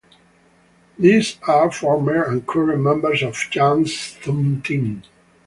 These are former and current members of Chan's stunt team.